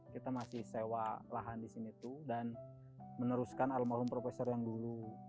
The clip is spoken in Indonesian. kita masih sewa lahan di sini itu dan meneruskan alam alam profesor yang dulu